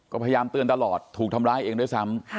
ก็พยายามเตือนตลอดถูกทำร้ายเองด้วยซ้ำ